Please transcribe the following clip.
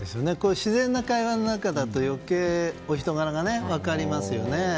自然な会話の中だと余計、お人柄が分かりますよね。